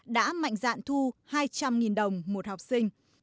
đã mạnh dạn thu hai trăm linh đồng một học sinh